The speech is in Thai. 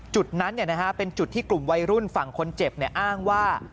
จุดนั้นเนี่ยนะฮะเป็นจุดที่กลุ่มวัยรุ่นฝั่งคนเจ็บเนี่ยอ้างว่า